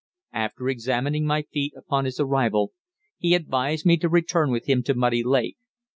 After examining my feet upon his arrival, he advised me to return with him to Muddy Lake.